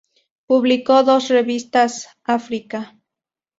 Publicó dos revistas: "África.